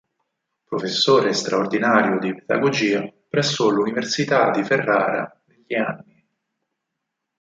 Professore straordinario di Pedagogia presso l'Università di Ferrara negli a. a.